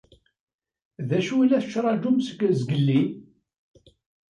D acu i la tettṛaǧum seg zgelli?